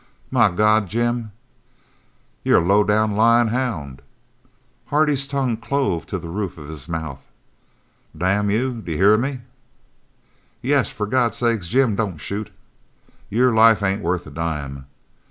"My God, Jim!" "You're a low down, lyin' hound!" Hardy's tongue clove to the roof of his mouth. "Damn you, d'you hear me?" "Yes! For God's sake, Jim, don't shoot!" "Your life ain't worth a dime!"